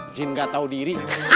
jin nggak tau diri